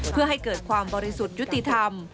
เพื่อให้เกิดความบริสุทธิ์ยุติธรรม